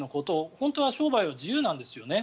本当は商売は自由なんですよね。